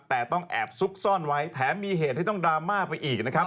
แต่ต้องแอบซุกซ่อนไว้แถมมีเหตุให้ต้องดราม่าไปอีกนะครับ